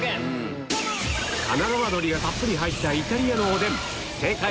かながわ鶏がたっぷり入ったイタリアのおでん大誤算‼